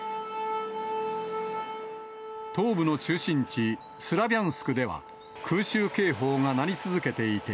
東部の中心地、スラビャンスクでは、空襲警報が鳴り続けていて。